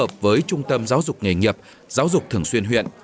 họ tự hợp với trung tâm giáo dục nghề nghiệp giáo dục thường xuyên huyện